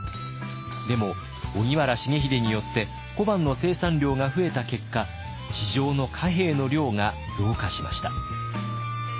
でも荻原重秀によって小判の生産量が増えた結果市場の貨幣の量が増加しました。